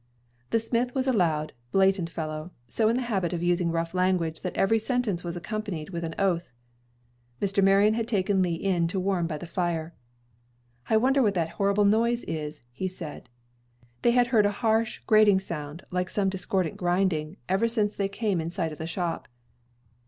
The smith was a loud, blatant fellow, so in the habit of using rough language that every sentence was accompanied with an oath. Mr. Marion had taken Lee in to warm by the fire. "I wonder what that horrible noise is!" he said. They had heard a harsh, grating sound, like some discordant grinding, ever since they came in sight of the shop.